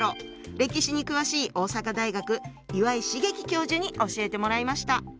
歴史に詳しい大阪大学岩井茂樹教授に教えてもらいました。